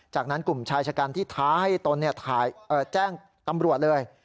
จากนั้นกลุ่มชายชะกันที่ท้าให้ตนแจ้งตำรวจเลย